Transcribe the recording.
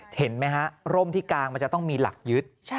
เห็นไหมฮะร่มที่กางมันจะต้องมีหลักยึด